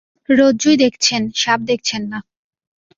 রজ্জুই দেখছেন, সাপ দেখছেন না।